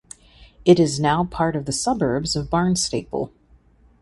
It is now part of the suburbs of Barnstaple.